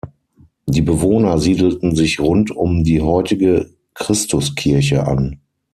Die Bewohner siedelten sich rund um die heutige Christuskirche an.